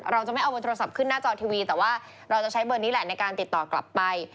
เราจะไม่เอาเบอร์โทรศัพท์ขึ้นหน้าจอทีวีแต่ว่าเราจะใช้เบอร์นี้แหละในการติดต่อกลับไป